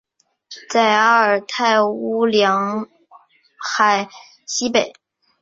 在阿尔泰乌梁海西北。